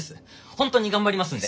本当に頑張りますんで。